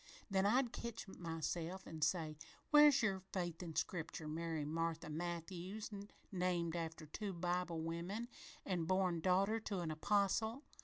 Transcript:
Then I'd ketch myself an' say, 'Where's your faith in Scripture, Mary Marthy Matthews, named after two Bible women an' born daughter to an apostle?